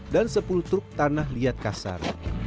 dan sepuluh truk tanah liat kasar